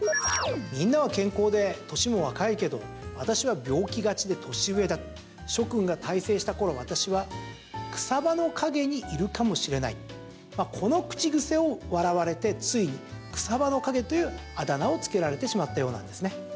みんなは健康で年も若いけど私は病気がちで年上だ諸君が大成した頃私は草葉の陰にいるかもしれないこの口癖を笑われてついに草葉の陰というあだ名をつけられてしまったようなんですね。